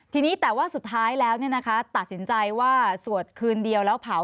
ทีนี้แต่ว่าสุดท้ายแล้วตัดสินใจว่าสวดคืนเดียวแล้วเผา